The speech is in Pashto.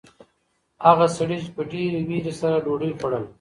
هغه سړي په ډېرې وېرې سره ډوډۍ خوړله.